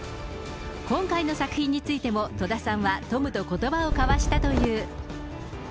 今回の作品についても戸田さんはトムと言葉を交わしたという。